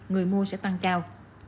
người mua sẽ tăng cao